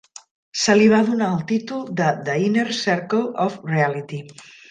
Se li va donar el títol de "The Inner Circle of Reality".